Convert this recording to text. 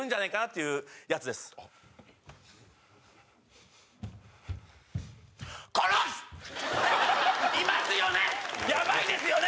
いますよね？